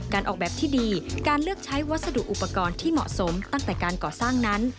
ออกแบบที่ดีการเลือกใช้วัสดุอุปกรณ์ที่เหมาะสมตั้งแต่การก่อสร้างนั้น